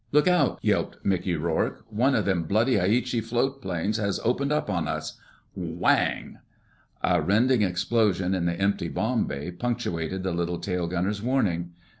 "Look out!" yelped Mickey Rourke. "One of them bloody Aichi float planes has opened up on us...." WHANG! A rending explosion in the empty bomb bay punctuated the little tail gunner's warning.